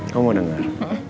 kamu mau denger